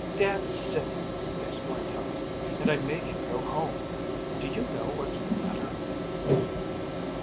"Dad's sick," explained Helen, "and I made him go home. Do you know what's the matter?"